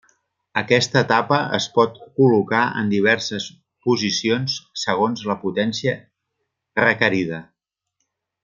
Aquesta tapa es pot col·locar en diverses posicions segons la potència requerida.